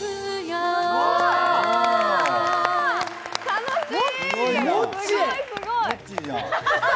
楽しい！